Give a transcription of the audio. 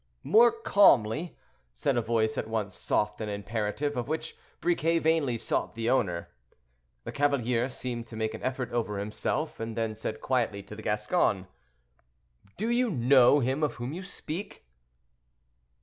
"More calmly," said a voice at once soft and imperative, of which Briquet vainly sought the owner. The cavalier seemed to make an effort over himself, and then said quietly to the Gascon, "Do you know him of whom you speak?"